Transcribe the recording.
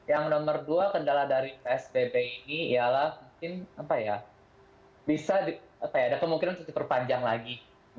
yang nomor dua kendala dari psbb ini ialah mungkin bisa ada kemungkinan untuk diperpanjang lagi